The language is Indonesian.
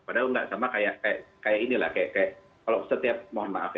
padahal nggak sama kayak kayak ini lah kayak kayak kalau setiap mohon maaf ya